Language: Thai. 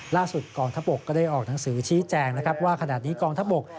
ล่าสุดกองทัพบกก็ได้ออกหนังสือชี้แจงว่าขณะนี้กองทัพบก